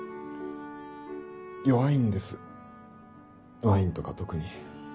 弱いんですワインとか特に。